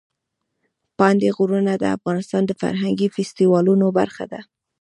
پابندي غرونه د افغانستان د فرهنګي فستیوالونو برخه ده.